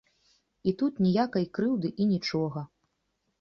І тут ніякай крыўды і нічога.